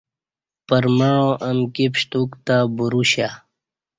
پرمعاں امکی پشتوک تہ بروشیا